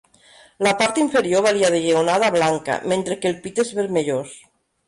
La part inferior varia de lleonada a blanca, mentre que el pit és vermellós.